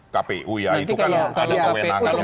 kpu ya itu kan ada kewenangannya